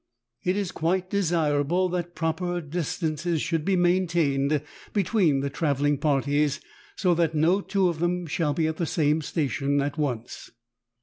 It is quite desirable that proper dis tances should be maintained between the traveling parties, so that no two of them shall be at the same station at once.